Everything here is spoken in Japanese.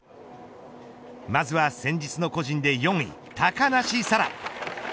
まずは先日の個人で４位高梨沙羅。